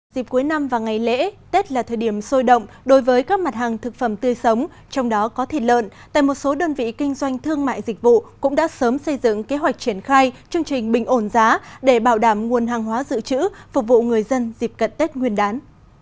dịp cuối năm và ngày lễ tết là thời điểm sôi động đối với các mặt hàng thực phẩm tươi sống trong đó có thịt lợn tại một số đơn vị kinh doanh thương mại dịch vụ cũng đã sớm xây dựng kế hoạch triển khai chương trình bình ổn giá để bảo đảm nguồn hàng hóa dự trữ phục vụ người dân dịp cận tết nguyên đán